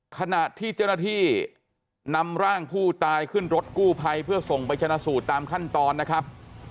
ขณะที่เจ้าหน้าที่นำร่างผู้ตายขึ้นรถกู้ภัยเพื่อส่งไปชนะสูตรตามขั้นตอนนะครับ